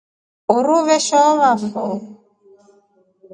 Uruu veshohovafo.